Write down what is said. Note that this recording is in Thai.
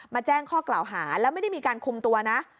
แจ้งข้อกล่าวหาแล้วไม่ได้มีการคุมตัวนะ